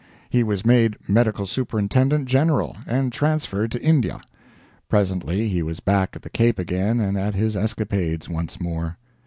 He was made Medical Superintendent General, and transferred to India. Presently he was back at the Cape again and at his escapades once more.